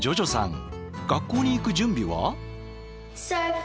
学校に行く準備は？